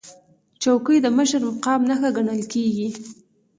چوکۍ د مشر مقام نښه ګڼل کېږي.